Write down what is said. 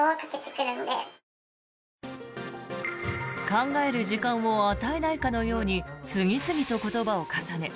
考える時間を与えないかのように次々と言葉を重ね